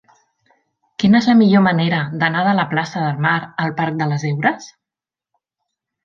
Quina és la millor manera d'anar de la plaça del Mar al parc de les Heures?